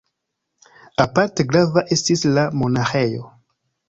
Aparte grava estis la monaĥejo.